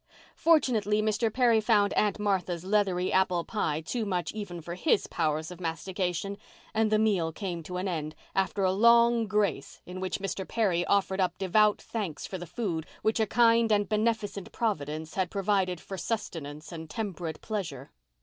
Fortunately, Mr. Perry found Aunt Martha's leathery apple pie too much even for his powers of mastication and the meal came to an end, after a long grace in which Mr. Perry offered up devout thanks for the food which a kind and beneficent Providence had provided for sustenance and temperate pleasure.